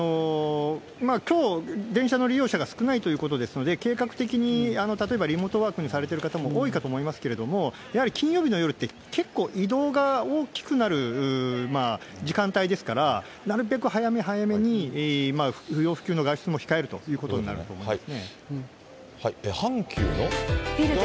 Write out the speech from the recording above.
きょう、電車の利用者が少ないということですので、計画的に例えばリモートワークにされてる方も多いかと思いますけれども、やはり金曜日の夜って結構、移動が大きくなる時間帯ですから、なるべく早め早めに、不要不急の外出も控えるということになると思います。